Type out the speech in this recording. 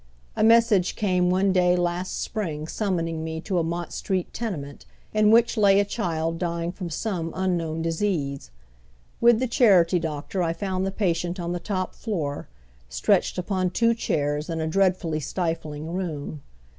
A message came one day last spring summoning me to a Mott Street tenement in which lay a child dying from some unknown disease. With the " charity doctor " I found the patient on the top floor, stretched upon two chairs in a dreadfully stifling room.